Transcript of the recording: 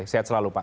sehat selalu pak